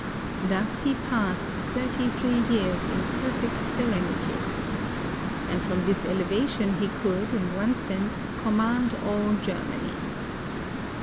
Thus he passed thirty three years in perfect serenity. And from this elevation he could. THE BROCKEN. 159 in one sense, command all Germany.